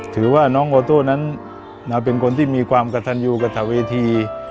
ถือว่าน้องโอโต้นั้นเป็นคนที่มีความกระตันยูกระถาเวที